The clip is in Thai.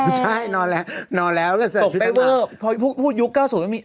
เห็นไหมนอนแล้วก็ใส่ชุดนอนตกไปเวิบพอพูดยุค๙๐นี้